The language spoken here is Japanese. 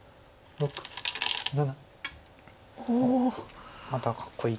６７。